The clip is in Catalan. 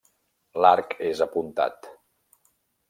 L'arc és apuntat.